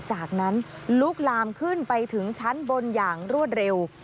จากนั้นลุกลามขึ้นไปถึงชั้นบนอย่างรวดเร็ว